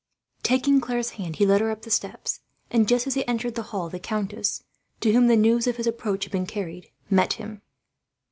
Taking Claire's hand, he led her up the steps; and just as he entered the hall the countess, to whom the news of his approach had been carried, met him.